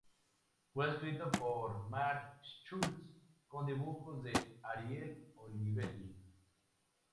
Fue escrito por "Mark Schultz", con dibujos de "Ariel Olivetti".